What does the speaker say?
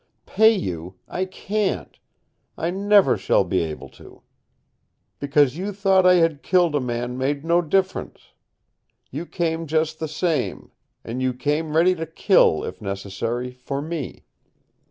Pay you! I can't. I never shall be able to. Because you thought I had killed a man made no difference You came just the same. And you came ready to kill, if necessary for me.